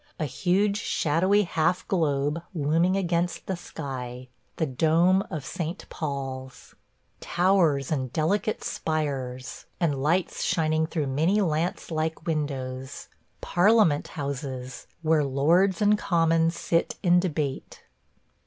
A huge, shadowy half globe looming against the sky – the dome of St. Paul's. ... towers and delicate spires, and lights shining through many lance like windows – Parliament Houses, where lords and commons sit in debate.